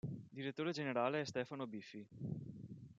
Direttore generale è Stefano Biffi.